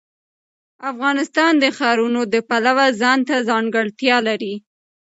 افغانستان د ښارونه د پلوه ځانته ځانګړتیا لري.